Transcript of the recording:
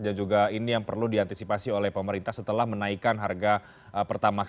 dan juga ini yang perlu diantisipasi oleh pemerintah setelah menaikkan harga pertamax